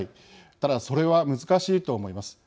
ただ、それは難しいと思います。